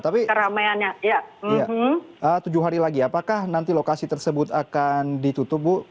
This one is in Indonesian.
tapi tujuh hari lagi apakah nanti lokasi tersebut akan ditutup bu